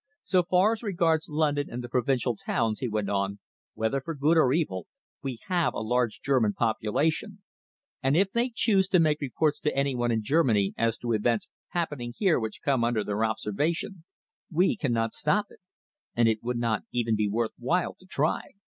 So far as regards London and the provincial towns, he went on, whether for good or evil, we have a large German population, and if they choose to make reports to any one in Germany as to events happening here which come under their observation, we cannot stop it, and it would not even be worth while to try.